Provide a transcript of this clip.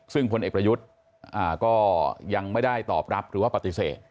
ซึ่งพลเอกประยุทธ์ก็ยังไม่ได้ตอบรับหรือว่าปฏิเสธ